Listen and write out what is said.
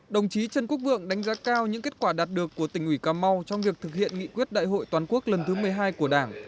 đồng chí trần quốc vượng đánh giá cao những kết quả đạt được của tỉnh ủy cà mau trong việc thực hiện nghị quyết đại hội toàn quốc lần thứ một mươi hai của đảng